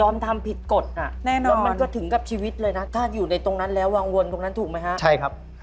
ไม้ผัก๒ต้อนครับ